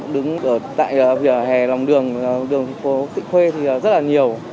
đứng tại hề lòng đường đường phố thụy khuê thì rất là nhiều